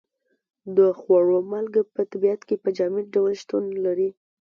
د خوړو مالګه په طبیعت کې په جامد ډول شتون لري.